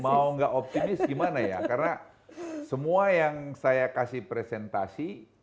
mau nggak optimis gimana ya karena semua yang saya kasih presentasi